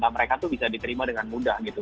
mereka tuh bisa diterima dengan mudah gitu